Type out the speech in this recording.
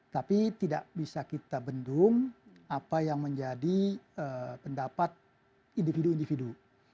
tapi tidak bisa kita bendung apa yang menjadi pendapat individu individu